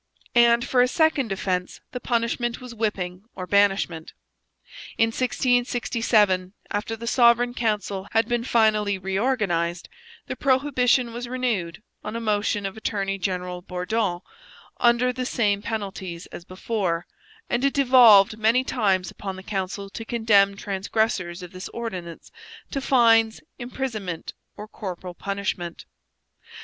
And for a second offence the punishment was whipping or banishment. In 1667, after the Sovereign Council had been finally reorganized, the prohibition was renewed, on a motion of attorney general Bourdon, under the same penalties as before, and it devolved many times upon the council to condemn transgressors of this ordinance to fines, imprisonment, or corporal punishment.